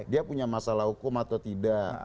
dia punya masalah hukum atau tidak